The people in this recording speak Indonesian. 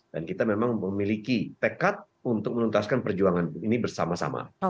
dan kita memang memiliki tekat untuk menuntaskan perjuangan ini bersama sama